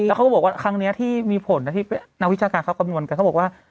แล้วเขาก็บอกว่าครั้งนี้ที่มีผลนะที่นักวิชาการเขาคำนวณกันเขาบอกว่า